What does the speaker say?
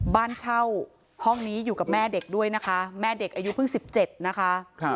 บ้านเช่าห้องนี้อยู่กับแม่เด็กด้วยนะคะแม่เด็กอายุเพิ่ง๑๗นะคะ